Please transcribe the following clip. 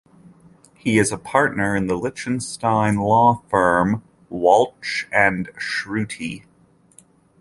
He is a partner in the Liechtenstein law firm Walch and Schurti.